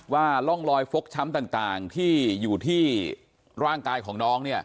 ว่าร่องรอยฟกช้ำต่างที่อยู่ที่ร่างกายของน้อง